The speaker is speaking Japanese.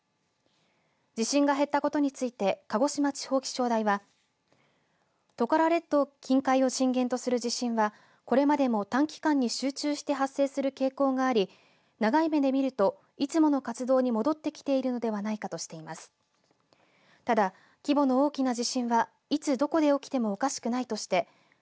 地震が減ったことについて鹿児島地方気象台はトカラ列島近海を震源とする地震はこれまでも短期間に集中して発生する傾向があり長い目で見るといつもの活動に戻ってきているのではないかとしています。